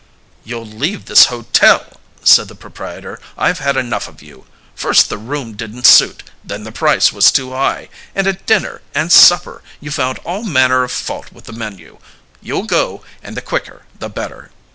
"You'll leave this hotel!" said the proprietor. "I've had enough of you. First the room didn't suit, then the price was too high, and at dinner and supper you found all manner of fault with the menu. You'll go, and the quicker, the better."